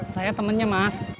saya temennya mas